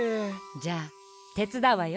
じゃあてつだうわよ。